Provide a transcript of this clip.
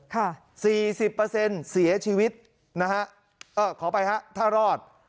สี่สิบเปอร์เซ็นต์เสียชีวิตนะฮะเอ่อขอไปฮะถ้ารอด